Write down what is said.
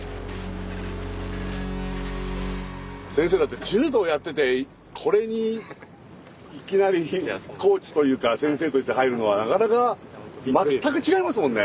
先生だって柔道やっててこれにいきなりコーチというか先生として入るのはなかなか全く違いますもんね。